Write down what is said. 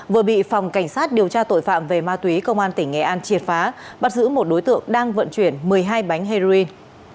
vừa bị phòng cảnh sát điều tra tội phạm về ma túy công an tỉnh nghệ an triệt phá bắt giữ một đối tượng đang vận chuyển một mươi hai bánh heroin